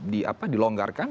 di apa di longgarkan